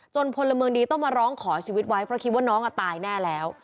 พลเมืองดีต้องมาร้องขอชีวิตไว้เพราะคิดว่าน้องตายแน่แล้ว